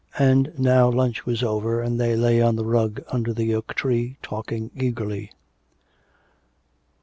And now lunch was over, and they lay on the rug under the oak tree talking eagerly.